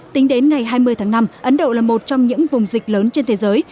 tính đến ngày hai mươi tháng năm ấn độ là một trong những vùng dịch lớn trên thế giới